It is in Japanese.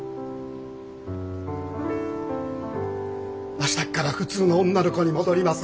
明日から普通の女の子に戻ります。